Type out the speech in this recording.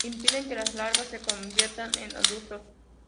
Impiden que las larvas se conviertan en adultos.